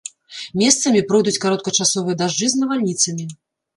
Месцамі пройдуць кароткачасовыя дажджы з навальніцамі.